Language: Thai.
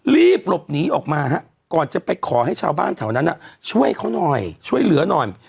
รีบหลบหนีออกมาฮะก่อนจะไปขอให้ชาวบ้านแถวนั้นช่วยเขาหน่อยช่วยเหลือหน่อย